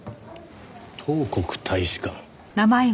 「東国大使館」？